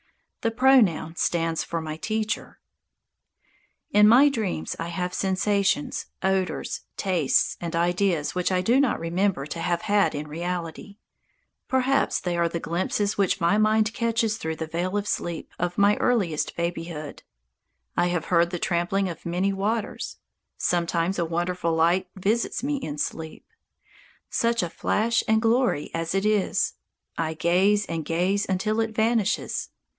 The pronoun stands for my Teacher. In my dreams I have sensations, odours, tastes and ideas which I do not remember to have had in reality. Perhaps they are the glimpses which my mind catches through the veil of sleep of my earliest babyhood. I have heard "the trampling of many waters." Sometimes a wonderful light visits me in sleep. Such a flash and glory as it is! I gaze and gaze until it vanishes.